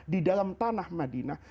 di dalam tanah madinah